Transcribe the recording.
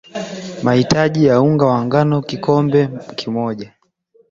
Matahitaji ya unga wa ngano kikombe moja